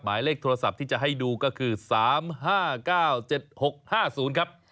หมายเลขโทรศัพท์ที่จะให้ดูก็คือ๓๕๙๗๖๕๐ครับ